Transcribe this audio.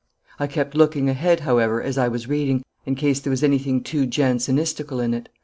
I kept looking ahead, however, as I was reading, in case there was anything too Jansenistical in it.